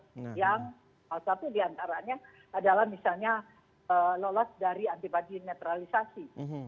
salah satu diantaranya adalah misalnya lolos dari antibadi netralisasi